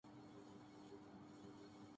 کمریں سیاہ تھیں وہاں